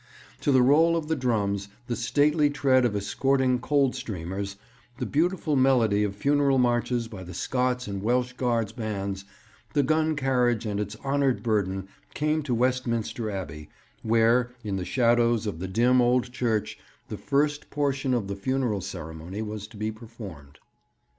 To the roll of the drums, the stately tread of escorting Coldstreamers, the beautiful melody of funeral marches by the Scots and Welsh Guards' bands, the gun carriage and its honoured burden came to Westminster Abbey, where, in the shadows of the dim old church, the first portion of the funeral ceremony was to be performed.